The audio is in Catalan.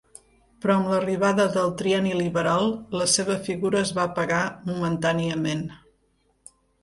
Però amb l'arribada del Trienni Liberal la seva figura es va apagar momentàniament.